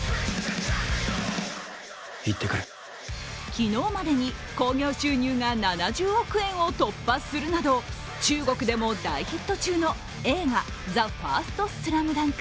昨日までに興行収入が７０億円を突破するなど中国でも大ヒット中の映画「ＴＨＥＦＩＲＳＴＳＬＡＭＤＵＮＫ」。